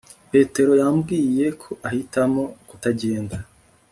petero yambwiye ko ahitamo kutagenda